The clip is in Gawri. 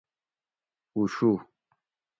اوشو